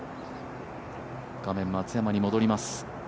画面、松山に戻ります。